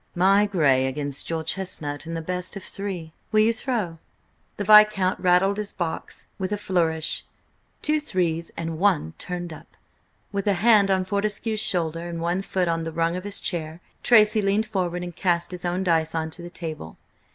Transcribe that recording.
"My grey against your chestnut and the best of three. Will you throw?" The Viscount rattled his box with a flourish. Two threes and a one turned up. With a hand on Fortescue's shoulder, and one foot on the rung of his chair, Tracy leaned forward and cast his own dice on to the table.